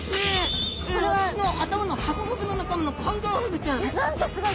私の頭のハコフグの仲間のコンゴウフグちゃん。